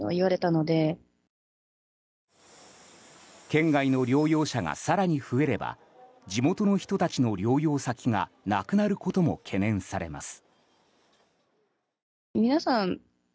県外の療養者が更に増えれば地元の人たちの療養先がなくなることも懸念されます。